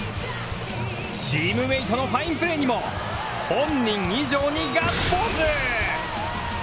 チームメートのファインプレーにも本人以上にガッツポーズ！